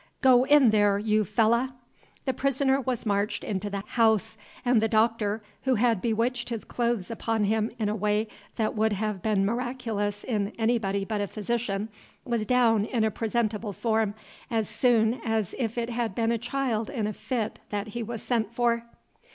"Go in there, you fellah!" The prisoner was marched into the house, and the Doctor, who had bewitched his clothes upon him in a way that would have been miraculous in anybody but a physician, was down in presentable form as soon as if it had been a child in a fit that he was sent for.